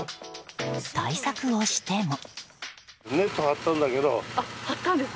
対策をしても。